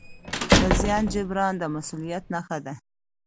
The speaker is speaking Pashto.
د زیان جبران د مسؤلیت نښه ده.